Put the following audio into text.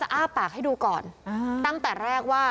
เป็นพระรูปนี้เหมือนเคี้ยวเหมือนกำลังทำปากขมิบท่องกระถาอะไรสักอย่าง